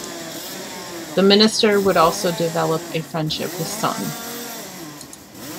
The minister would also develop a friendship with Sun.